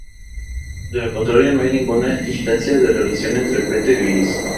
De lo contrario, no hay ninguna instancia de relación entre Peter y Liz.